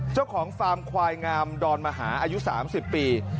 เจ้าของควายงามดอนมหาอายุ๓๐ปี